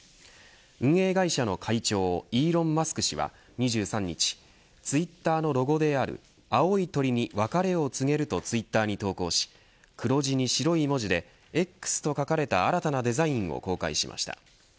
運営会社の会長イーロン・マスク氏は、２３日ツイッターのロゴである青い鳥に別れを告げるとツイッターに投稿し黒地に白い文字でＸと書かれた新たなデザインを公開しました。